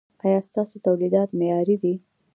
ایا ستاسو تولیدات معیاري دي؟